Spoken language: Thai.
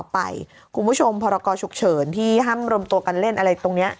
คุณผู้ชมพรกรฉุกเฉินที่ห้ามรวมตัวกันเล่นอะไรตรงนี้